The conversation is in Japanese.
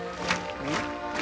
うん？